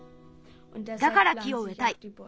だから木をうえたい。